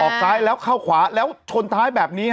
ซ้ายแล้วเข้าขวาแล้วชนท้ายแบบนี้